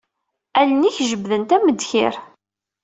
Allen-ik jebbdent am ddkir.